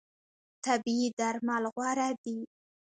طبیعي درمل غوره دي.